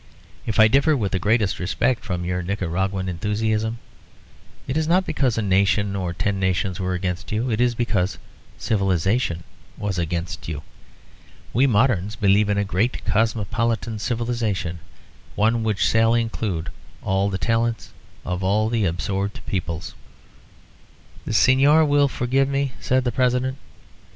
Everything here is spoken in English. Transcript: If I differ with the greatest respect from your Nicaraguan enthusiasm, it is not because a nation or ten nations were against you; it is because civilisation was against you. We moderns believe in a great cosmopolitan civilisation, one which shall include all the talents of all the absorbed peoples " "The Señor will forgive me," said the President.